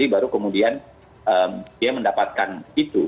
baru kemudian dia mendapatkan itu